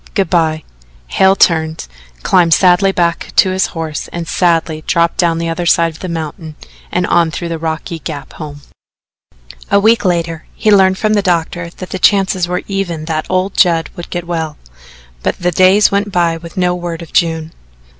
Good by." Hale turned, climbed sadly back to his horse and sadly dropped down the other side of the mountain and on through the rocky gap home. A week later he learned from the doctor that the chances were even that old Judd would get well, but the days went by with no word of June.